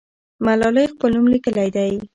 ملالۍ خپل نوم لیکلی دی.